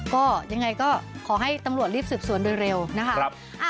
ก็ยังไงก็ขอให้ตำรวจรีบสืบสวนโดยเร็วนะคะ